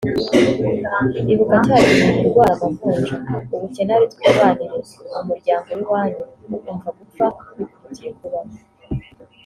ibuka cya gihe urwara amavunja ubukene ari twibanire mu muryango w’iwanyu ukumva gupfa bikurutiye kubaho